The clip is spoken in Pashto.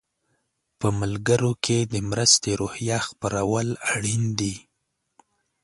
په ملګرو کې د مرستې روحیه خپرول اړین دي.